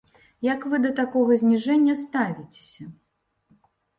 Як вы да такога зніжэння ставіцеся?